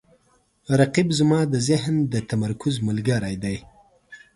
رقیب زما د ذهن د تمرکز ملګری دی